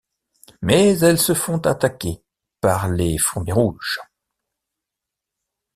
Mais elles se font attaquer par les fourmis rouges.